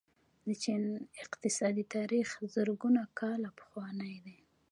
د چین اقتصادي تاریخ زرګونه کاله پخوانی دی.